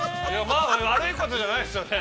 まあ、悪いことじゃないですよね。